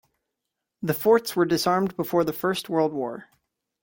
The forts were disarmed before the First World War.